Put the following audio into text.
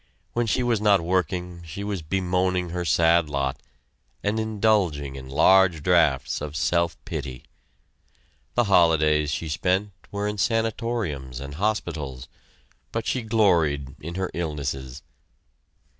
When she was not working she was bemoaning her sad lot, and indulging in large drafts of self pity. The holidays she spent were in sanatoriums and hospitals, but she gloried in her illnesses.